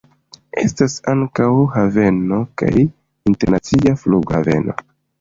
Estas ankaŭ haveno kaj internacia flughaveno.